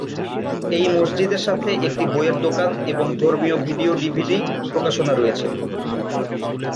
এই মসজিদের সাথে একটি বইয়ের দোকান এবং ধর্মীয় ভিডিও ডিভিডি প্রকাশনা রয়েছে।